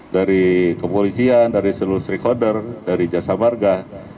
dari kepolisian dari seluruh street holder dari jasa warga